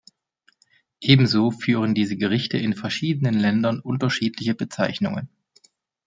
Ebenso führen diese Gerichte in verschiedenen Ländern unterschiedliche Bezeichnungen.